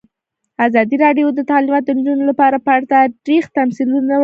ازادي راډیو د تعلیمات د نجونو لپاره په اړه تاریخي تمثیلونه وړاندې کړي.